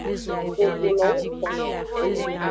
Zozulo wu gan.